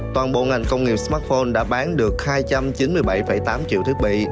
toàn bộ ngành công nghiệp smartphone đã bán được hai trăm chín mươi bảy tám triệu thiết bị